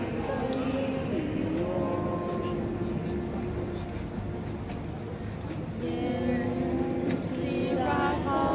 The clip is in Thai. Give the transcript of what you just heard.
มันเป็นสิ่งที่จะให้ทุกคนรู้สึกว่ามันเป็นสิ่งที่จะให้ทุกคนรู้สึกว่า